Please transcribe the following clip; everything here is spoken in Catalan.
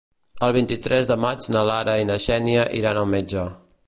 El vint-i-tres de maig na Lara i na Xènia iran al metge.